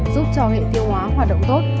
giúp cho hệ tiêu hóa hoạt động tốt